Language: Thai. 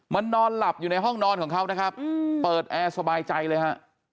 มันนอนหลับอยู่ในห้องนอนของเขานะครับเปิดแอร์สบายใจเลยฮะ